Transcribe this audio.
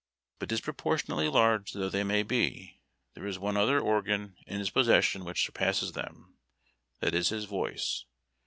But disproportionately large though they may be, there is one other organ in his possession which surpasses them ; that is his voice.